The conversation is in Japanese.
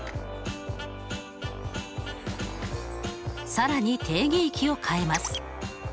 更に定義域を変えます。